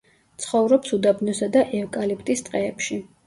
ცხოვრობს უდაბნოსა და ევკალიპტის ტყეებში.